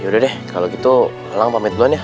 yaudah deh kalau gitu elang pamit duluan ya